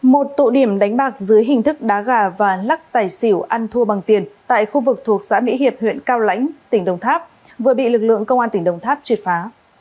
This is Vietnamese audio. một tụ điểm đánh bạc dưới hình thức đá gà và lắc tài xỉu ăn thua bằng tiền tại khu vực thuộc xã mỹ hiệp huyện cao lãnh tỉnh đồng tháp vừa bị lực lượng công an tỉnh đồng tháp triệt phá